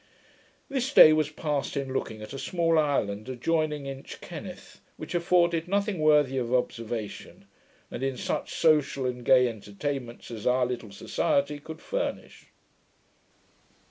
This day was passed in looking at a small island adjoining Inchkenneth, which afforded nothing worthy of observation; and in such social and gay entertainments as our little society could furnish.